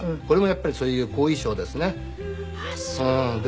これもやっぱりそういう後遺症ですね。